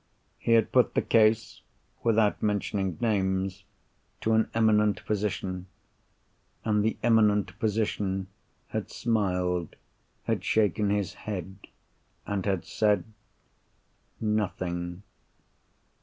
He had put the case (without mentioning names) to an eminent physician; and the eminent physician had smiled, had shaken his head, and had said—nothing.